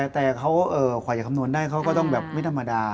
แต่เขากว่าจะคำนวณได้เขาก็ต้องแบบไม่ธรรมดา